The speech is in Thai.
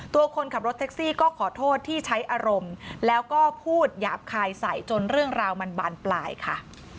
คนขับรถแท็กซี่ก็ขอโทษที่ใช้อารมณ์แล้วก็พูดหยาบคายใส่จนเรื่องราวมันบานปลายค่ะ